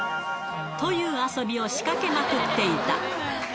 という遊びを仕掛けまくっていた。